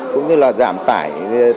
cũng như là giảm tải